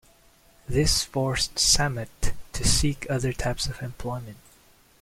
This forced Sammet to seek other types of employment.